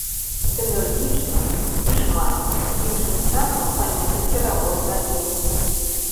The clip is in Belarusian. Энергічна і шмат, іншым часам па некалькі работ на дзень.